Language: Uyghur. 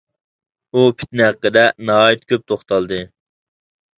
ئۇ پىتنە ھەققىدە ناھايىتى كۆپ توختالدى.